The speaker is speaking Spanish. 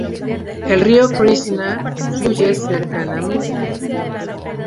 El río Krishná fluye cercanamente.